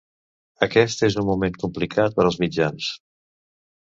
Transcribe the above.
Aquest és un moment complicat per als mitjans.